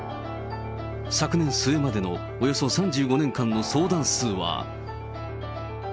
昨年末までのおよそ３５年間の相談数は。